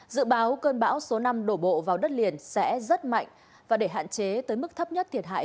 dự báo cơn bão số năm đổ bộ vào đất liền sẽ rất mạnh và để hạn chế tới mức thấp nhất thiệt hại